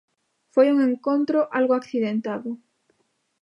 Foi un encontro algo accidentado.